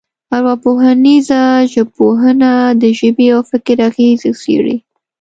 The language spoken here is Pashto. ارواپوهنیزه ژبپوهنه د ژبې او فکر اغېزې څېړي